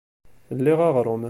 Liɣ aɣrum.